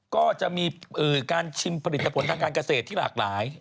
ก็จะมีการชิมผลิตผลทางการเกษตรที่หลากหลาย